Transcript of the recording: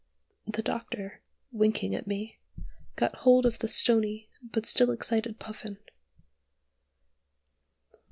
The Doctor, winking at me, got hold of the stony but still excited Puffin.